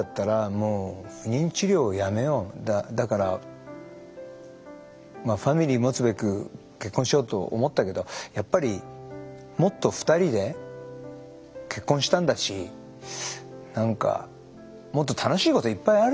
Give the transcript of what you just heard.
だからファミリー持つべく結婚しようと思ったけどやっぱりもっと２人で結婚したんだし何かもっと楽しいこといっぱいあるじゃないですか。